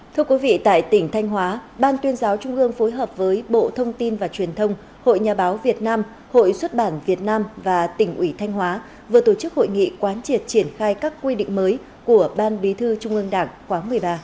thưa quý vị tại tỉnh thanh hóa ban tuyên giáo trung ương phối hợp với bộ thông tin và truyền thông hội nhà báo việt nam hội xuất bản việt nam và tỉnh ủy thanh hóa vừa tổ chức hội nghị quán triệt triển khai các quy định mới của ban bí thư trung ương đảng khóa một mươi ba